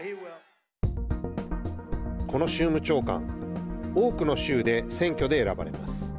この州務長官多くの州で選挙で選ばれます。